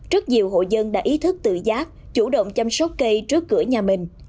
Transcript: rất nhiều hộ dân đã ý thức tự giác chủ động chăm sóc cây trước cửa nhà mình